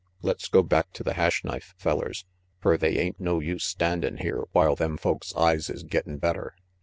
"Let's go back to the Hash Knife, fellers, fer they ain't no use standin' here while them folks' eyes is gettin' better."